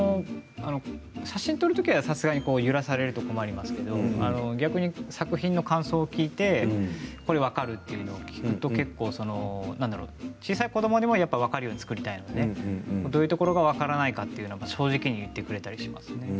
写真撮るときは、さすがに揺らされると困りますけど逆に作品の感想を聞いてこれ分かる？というのを聞くと結構、小さい子どもにも分かるように作りたいのでどういうところが分からないかっていうのを正直に言ってくれたりしますね。